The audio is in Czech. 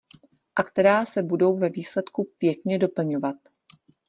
A která se budou ve výsledku pěkně doplňovat.